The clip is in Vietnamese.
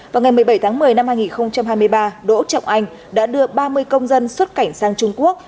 vào ngày một mươi bảy tháng một mươi năm hai nghìn hai mươi ba đỗ trọng anh đã đưa ba mươi công dân xuất cảnh sang trung quốc